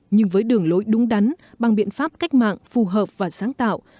nhưng với đường lối đúng đắn bằng biện pháp cách mạng phù hợp và sáng tạo